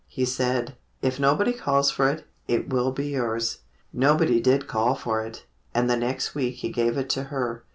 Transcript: He said: "If nobody calls for it, it will be yours." Nobody did call for it, and the next week he gave it to her.